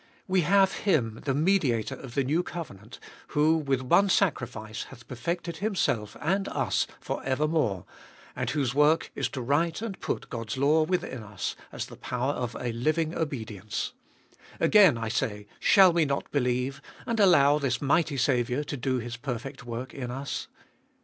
We have Him, the Mediator of the new covenant, who with one sacrifice 420 Gbe 1bolie0t of mi hath perfected Himself and us for evermore, and whose work it is to write and put God's law within us as the power of a living obedience, — again, I say, shall we not believe, and allow this mighty Saviour to do His perfect work in us